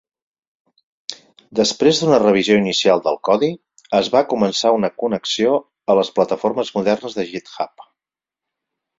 Després d'una revisió inicial del codi, es va començar una connexió a les plataformes modernes de GitHub.